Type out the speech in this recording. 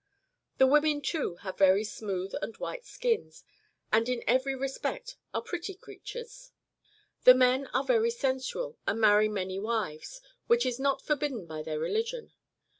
The women too have very smooth VOL. I, s 2 276 MARCO POLO Book I. and white skins, and In every respect are pretty creatures. The men are very sensual, and marry many wives, which is not forbidden by their rehgion.